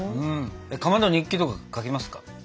かまど日記とか書きますか？